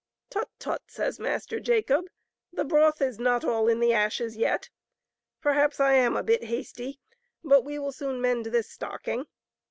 " Tut ! tut !" says Master Jacob, " the broth is not all in the ashes yet. Perhaps I am a bit hasty, but we will soon mend this stocking."